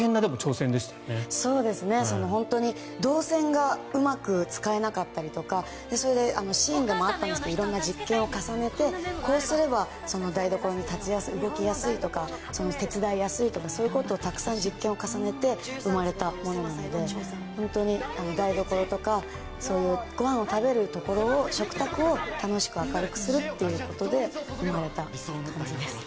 本当に動線がうまく使えなかったりとかそういうシーンもあったんですが色んな実験を重ねてこうすれば、台所に立ちやすい動きやすいとか手伝いやすいとかそういう実験をたくさん重ねて生まれたものなので本当に台所とかそういうご飯を食べるところ食卓を楽しく、明るくするということで生まれた感じです。